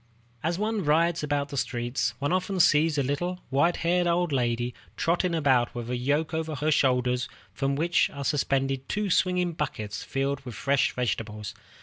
As one rides about the streets, one often sees a little, white haired old woman trotting about with a yoke over her shoulders from which are suspended two swinging baskets, filled with fresh vegetables.